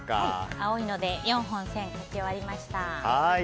青いので４本、線を描き終わりました。